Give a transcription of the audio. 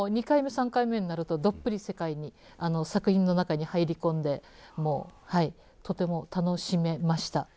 ２回目３回目になるとどっぷり世界に作品の中に入り込んでもうはいとても楽しめました。